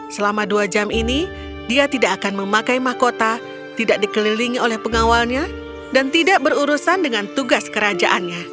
selama dua jam ini dia tidak akan memakai mahkota tidak dikelilingi oleh pengawalnya dan tidak berurusan dengan tugas kerajaannya